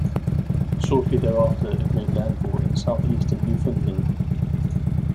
Shortly thereafter, it made landfall in southeastern Newfoundland.